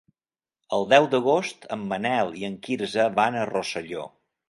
El deu d'agost en Manel i en Quirze van a Rosselló.